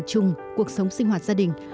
chung cuộc sống sinh hoạt gia đình